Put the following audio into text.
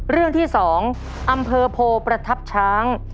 เรื่องที่๒อำเภอโพประทับช้าง